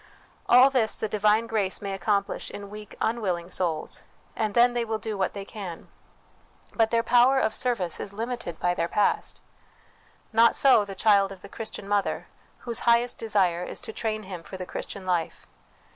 All this the divine grace may accomplish in weak #willing souls, and then they will do what they can ; but their power of service is THE WILL CONSCIENCE DIVINE LIFE 323 limited by their past. Not so the child of the Chris tian mother, whose highest desire is to train him for the Christian life.